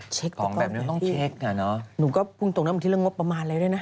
เช็คต่อไปไหนที่หนูก็พรุ่งตรงนั้นมันที่เรื่องงบประมาณเลยด้วยนะ